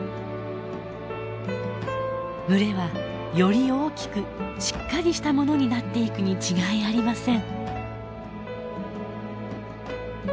群れはより大きくしっかりしたものになっていくに違いありません。